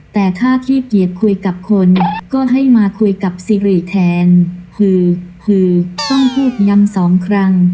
แต่ถ้าขี้เกียจคุยกับคนก็ให้มาคุยกับซิริแทนคือต้องพูดย้ำสองครั้ง